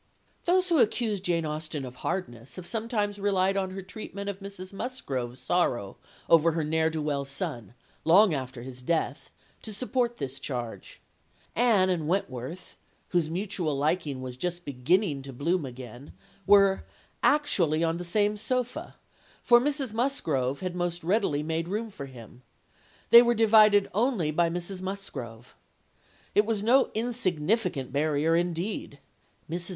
Those who accuse Jane Austen of hardness have sometimes relied on her treatment of Mrs. Musgrove's sorrow over her ne'er do well son, long after his death, to support this charge. Anne and Wentworth, whose mutual liking was just beginning to bloom again, were "actually on the same sofa, for Mrs. Musgrove had most readily made room for him; they were divided only by Mrs. Musgrove. It was no insignificant barrier, indeed. Mrs.